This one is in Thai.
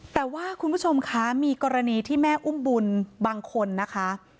แต่ว่าคุณผู้ชมคะมีกรณีที่แม่อุ้มบุญบางคนนะคะ